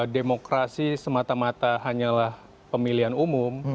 demokrasi semata mata hanyalah pemilihan umum